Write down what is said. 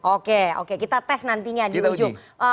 oke oke kita tes nantinya di ujung